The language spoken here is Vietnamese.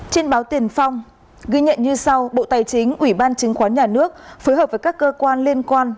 trên báo tiền phong ghi nhận như sau bộ tài chính ủy ban chứng khoán nhà nước phối hợp với các cơ quan liên quan